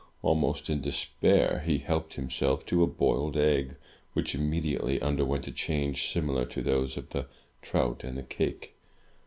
Almost in despair, he helped himself to a boiled eggy which immediately underwent a change similar to those of the trout and the cake.